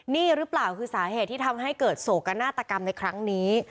นี่หรือเปล่าคือสาเหตุที่ทำให้เกิดโศกนาฏกรรมในครั้งนี้